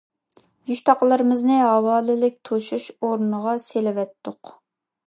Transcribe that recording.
يۈك تاقىلىرىمىزنى ھاۋالىلىك توشۇش ئورنىغا سېلىۋەتتۇق.